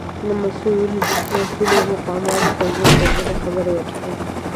مسؤولو مقاماتو ته ژر تر ژره خبر ورکړو.